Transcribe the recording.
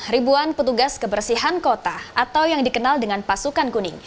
ribuan petugas kebersihan kota atau yang dikenal dengan pasukan kuning